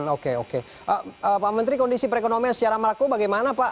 oke oke pak menteri kondisi perekonomian secara malako bagaimana pak